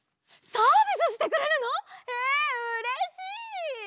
えうれしい！